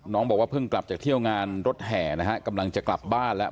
น้องบอกว่าเพิ่งกลับจากเที่ยวงานรถแห่นะฮะกำลังจะกลับบ้านแล้ว